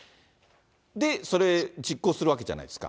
で、それ、実行するわけじゃないですか。